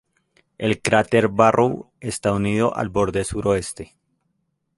El cráter Barrow está unido al borde suroeste.